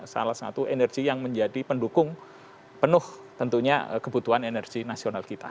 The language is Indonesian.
salah satu energi yang menjadi pendukung penuh tentunya kebutuhan energi nasional kita